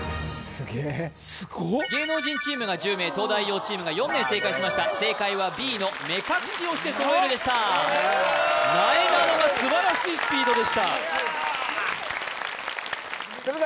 芸能人チームが１０名東大王チームが４名正解しました正解はＢの目隠しをして揃えるでしたなえなのが素晴らしいスピードでした鶴崎